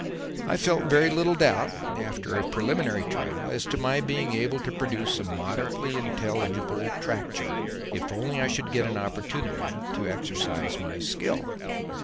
I felt very little doubt, after the preliminary trial, as to my being able to produce a moderately intelligible track chart if only I should get an opportunity to exercise my skill.